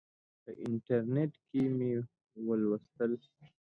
په انټرنیټ کې مې ولوستل.